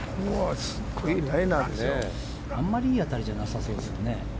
あんまりいい当たりじゃなさそうですね。